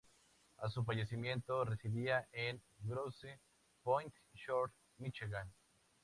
A su fallecimiento residía en Grosse Pointe Shore, Míchigan.